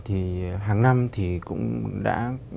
thì hàng năm thì cũng đã